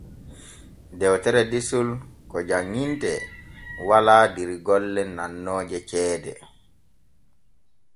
Dewtere desol ko janŋintee walaa der golle nannooje ceede.